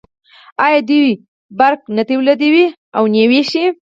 آیا دوی بریښنا نه تولیدوي او نه یې ویشي؟